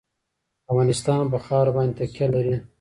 افغانستان په خاوره باندې تکیه لري.